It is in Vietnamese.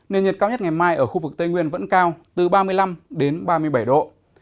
nền nhiệt cao nhất ngày mai ở khu vực tây nguyên vẫn cao từ ba mươi năm đến ba mươi bảy độ